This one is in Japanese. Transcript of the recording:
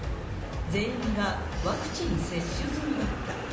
全員がワクチン接種済みだった。